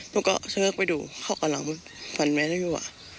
ลูกก็เชิกไปดูเขากำลังฝันแม่นั่งอยู่